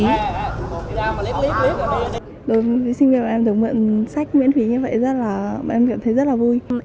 đối với sinh viên mà em thường mượn sách miễn phí như vậy em cảm thấy rất là vui